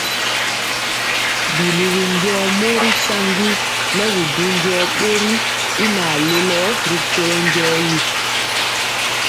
Biluwi njɔɔ mori saŋgi nɛ bi du njɔɔ bori y naŋ lelo rikolo njɔɔtyi.